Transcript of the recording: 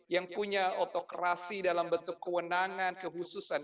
yang punya autokrasi dalam bentuk kewenangan kehususan